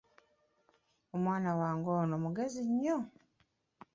Omwana wange ono mugezi nnyo!